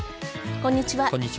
こんにちは。